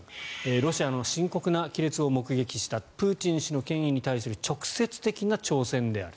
ロシアの深刻な亀裂を目撃したプーチン氏の権威に対する直接的な挑戦である。